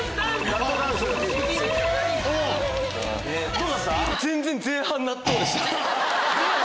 どうだった？